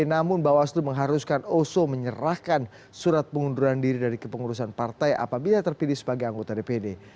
namun bawaslu mengharuskan oso menyerahkan surat pengunduran diri dari kepengurusan partai apabila terpilih sebagai anggota dpd